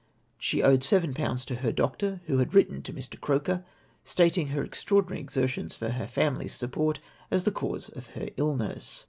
She owed 71. to her doctor, Avho had written to Mr. Croker, stating her extraordinary exertions for her family's support as the cause of her illness.